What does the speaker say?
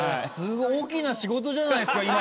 大きな仕事じゃないですか